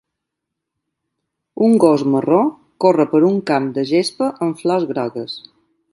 Un gos marró corre per un camp de gespa amb flors grogues.